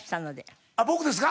僕ですか？